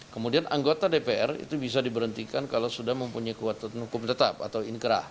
kemudian anggota dpr itu bisa diberhentikan kalau sudah mempunyai kekuatan hukum tetap atau inkrah